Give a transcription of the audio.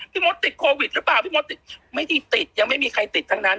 มดติดโควิดหรือเปล่าพี่มดติดไม่ได้ติดยังไม่มีใครติดทั้งนั้น